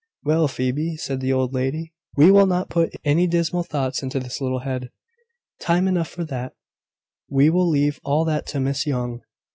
"Well, Phoebe," said the old lady, "we will not put any dismal thoughts into this little head: time enough for that: we will leave all that to Miss Young."